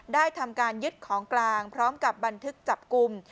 ได้ทำการยึดของกลางพร้อมกับบันทึกจับกลุ่ม